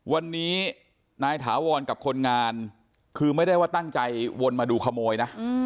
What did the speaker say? วันนี้นายถาวรกับคนงานคือไม่ได้ว่าตั้งใจวนมาดูขโมยนะ